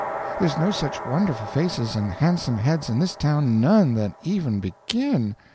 There's no such wonderful faces and handsome heads in this town none that even begin.